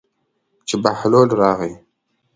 چې بهلول راغی.